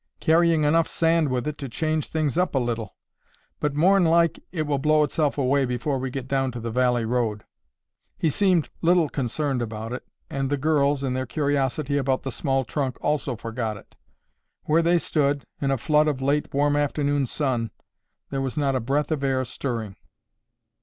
"Carrying enough sand with it to change things up a little. But more'n like, it will blow itself away before we get down to the valley road." He seemed little concerned about it and the girls, in their curiosity about the small trunk, also forgot it. Where they stood, in a flood of late warm afternoon sun, there was not a breath of air stirring.